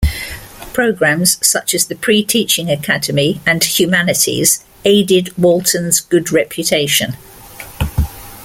Programs such as the "Pre-Teaching Academy" and "Humanities" aided Walton's good reputation.